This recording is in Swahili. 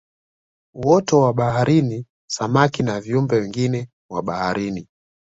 Uoto wa baharini samaki na viumbe wengine wa baharini